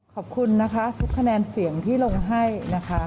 ขอบคุณนะคะทุกคะแนนเสียงที่ลงให้นะคะ